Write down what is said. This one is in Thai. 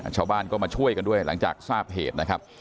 ชาวบ้านก็มาช่วยกันด้วยหลังจากทราบเหตุนะครับ